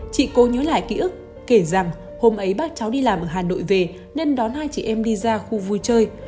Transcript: chị cố nhớ lại ký ức kể rằng hôm ấy bác cháu đi làm ở hà nội về nên đón hai chị em đi ra khu vui chơi